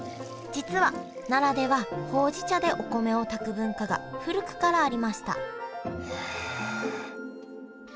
実は奈良ではほうじ茶でお米を炊く文化が古くからありましたへえ。